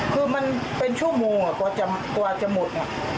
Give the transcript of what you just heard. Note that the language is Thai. คือมันเป็นชั่วโมงกว่าจะหมด